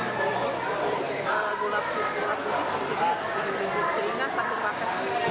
jadi berisi gula putih gula putih jadi sering seringnya satu paket satu paket ini